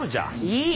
いい！